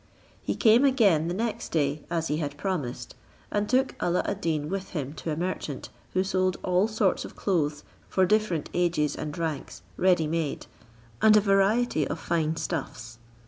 He came again the next day, as he had promised, and took Alla ad Deen with him to a merchant, who sold all sorts of clothes for different ages and ranks ready made, and a variety of fine stuffs.